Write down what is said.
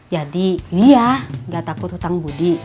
jadi dia gak takut hutang budi